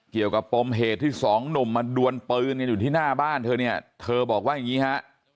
เกี่ยวกับปรมเหตุที่สองนมมาดวนปืนอยู่ที่หน้าบ้านเธอเนี่ยเธอบอกว่าอย่างงี้ฮะ